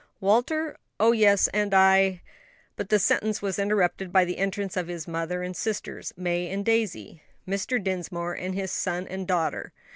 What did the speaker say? "Walter? oh, yes, and I " But the sentence was interrupted by the entrance of his mother and sisters, May and Daisy, Mr. Dinsmore, and his son and daughter.